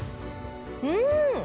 うん！